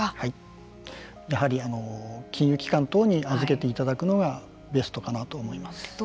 やはり金融機関等に預けていただくのがベストかなと思います。